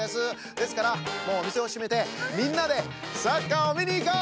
ですからもうおみせをしめてみんなでサッカーをみにいこう！